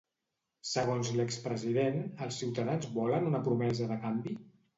Segons l'expresident, els ciutadans volen una promesa de canvi?